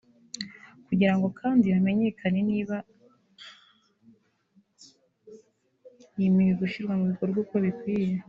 Kugirango kandi hamenyekane niba iyi mihigo ishyirwa mu bikorwa uko bikwiye